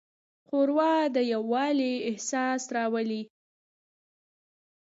ښوروا د یووالي احساس راولي.